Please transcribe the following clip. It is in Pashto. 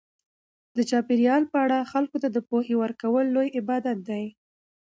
د چاپیریال په اړه خلکو ته د پوهې ورکول لوی عبادت دی.